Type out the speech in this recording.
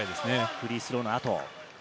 フリースローの後。